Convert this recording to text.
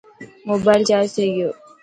موبال چارج ٿي گيو.